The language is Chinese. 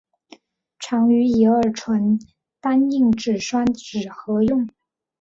常与乙二醇单硬脂酸酯合用。